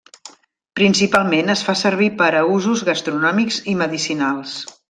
Principalment es fa servir per a usos gastronòmics i medicinals.